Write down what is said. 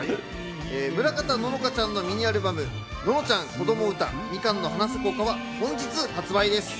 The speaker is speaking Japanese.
村方乃々佳ちゃんのミニアルバム『ののちゃんこどもうたみかんの花咲く丘』は本日発売です。